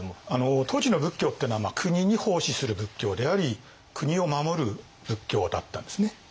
当時の仏教っていうのは国に奉仕する仏教であり国を守る仏教だったんですね。